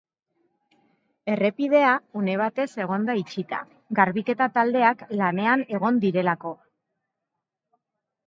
Errepidea une batez egon da itxita, garbiketa taldeak lanean egon direlako.